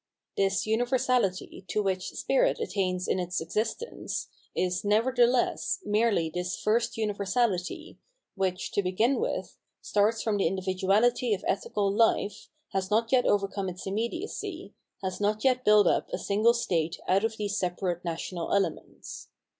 This universality, to which spirit attains in its existence, is, nevertheless, merely this first universality, which, to begin with, starts from the individuality of ethical life, has not yet overcome its immediacy, has not yet built up a single state out of these separate national elements.